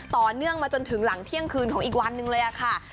ต่อเนื่องมาจนถึงหลังเที่ยงคืนของอีกวันหนึ่งเลยค่ะ